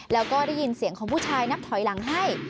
แล้วก็ได้ยินเสียงของผู้ชายนับถอยหลังให้